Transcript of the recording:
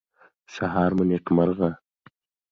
سهار مو نیکمرغه